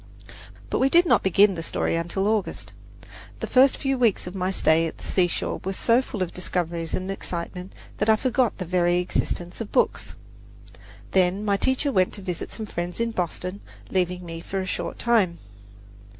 But we did not begin the story until August; the first few weeks of my stay at the seashore were so full of discoveries and excitement that I forgot the very existence of books. Then my teacher went to visit some friends in Boston, leaving me for a short time.